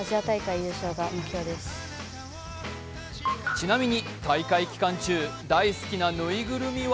ちなみに大会期間中、大好きなぬいぐるみは